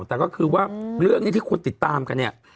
แต่ก็คือเรื่องที่คุณติดตามกันนี่